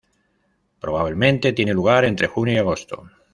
Probablemente tiene lugar entre junio y agosto.